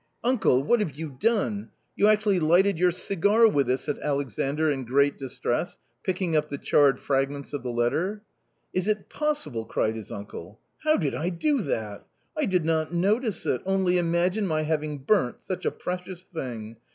" Uncle ! what have you done ? you actually lighted your cigar with it !" said Alexandr in great distress, picking up the charred fragments of the letter. " Is it possible?" cried his uncle, " how did I do that? I did not notice it ; only imagine my having burnt such a precious thing.